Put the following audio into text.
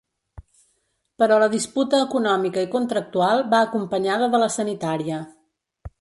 Però la disputa econòmica i contractual va acompanyada de la sanitària.